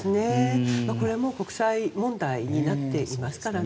これは国際問題になっていますからね。